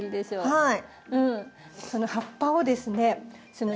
はい。